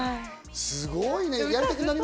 すごいね。